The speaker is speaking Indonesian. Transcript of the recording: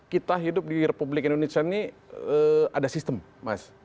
kita hidup di republik indonesia ini ada sistem mas